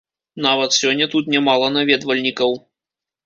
Нават сёння тут нямала наведвальнікаў.